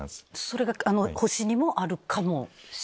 それが星にもあるかもしれない。